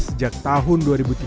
sejak tahun dua ribu tiga belas